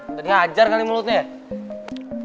udah dihajar kali mulutnya ya